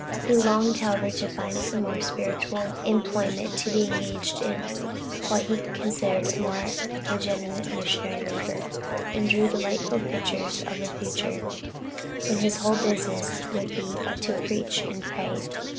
He longed, however, to find some more spiritual employment, to be engaged in what he considered more legitimate missionary labor, and drew delightful pictures of the future, when his whole business would be but to preach and to pray.